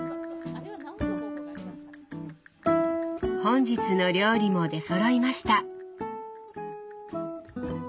本日の料理も出そろいました。